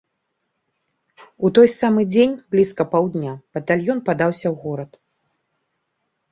У той самы дзень блізка паўдня батальён падаўся ў горад.